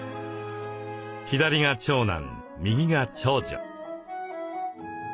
左が長男右が長女。